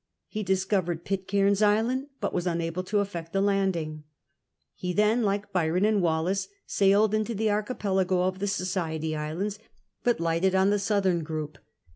He discovered Pit cairn's Island, but was unable to effect a landing. lie then, like ]l3Ton and Wallis, sailed into the archipelago of the Society Islands, but lighted on the southern group.